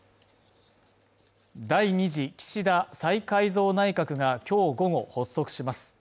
第２次岸田再改造内閣がきょう午後発足します